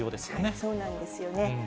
そうなんですよね。